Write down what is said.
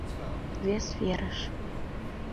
Вес верыш.